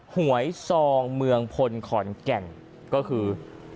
หวยซองเมืองพลขอนแก่นก็คือ